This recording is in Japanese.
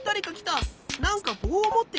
なんかぼうをもってるな。